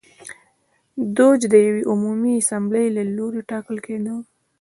دوج د یوې عمومي اسامبلې له لوري ټاکل کېده.